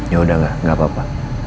yaudah gak gak apa apa